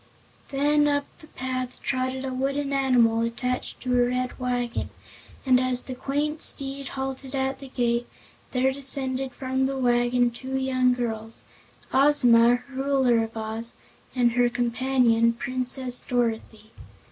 Then up the path trotted a wooden animal attached to a red wagon, and as the quaint steed halted at the gate there descended from the wagon two young girls, Ozma, Ruler of Oz, and her companion, Princess Dorothy.